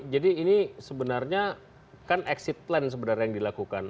jadi ini sebenarnya kan exit plan yang dilakukan